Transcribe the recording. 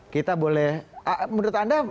kita boleh menurut anda